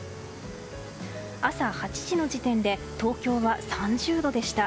朝８時の時点で東京は３０度でした。